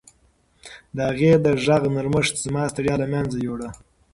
د هغې د غږ نرمښت زما ستړیا له منځه یووړه.